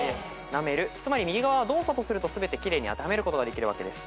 「なめる」つまり右側は動作とすると全て奇麗に当てはめることができるわけです。